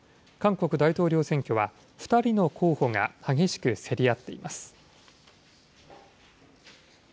韓国大統領選挙は、２人の候補が激しく競り合っています。